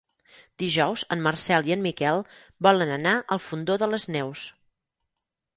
Dijous en Marcel i en Miquel volen anar al Fondó de les Neus.